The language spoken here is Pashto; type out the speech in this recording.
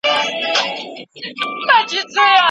خلګو په ارباب باور درلود.